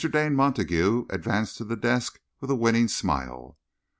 Dane Montague advanced to the desk with a winning smile.